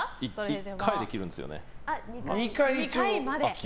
１回で切るんですよね。